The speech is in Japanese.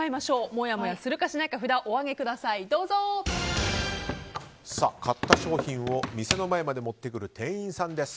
もやもやするか、しないか買った商品を店の前まで持ってくる店員さんです。